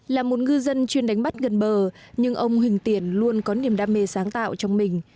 là một ngư dân chuyên đánh bắt gần bờ nhưng ông huỳnh tiển luôn có niềm đam mê sáng tạo trong mình